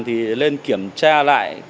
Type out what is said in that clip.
thì nên kiểm tra lại